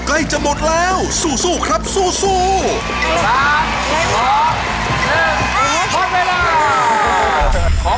เพชรได้มาแค่นี้แล้วนะฮะ